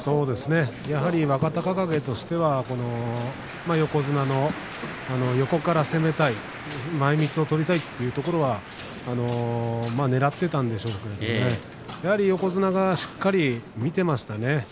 やはり若隆景としては横綱の横から攻めたい前みつを取りたいというところはねらっていたんでしょうけれどねやはり横綱がしっかり見ていましたね。